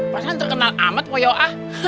pasal terkenal amat poyok ah